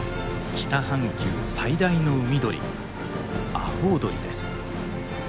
北半球最大の海鳥アホウドリです。